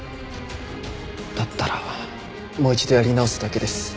だったらもう一度やり直すだけです。